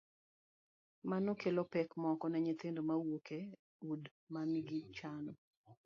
Mano kelo pek moko ne nyithindo mawuok e udi ma nigi chan: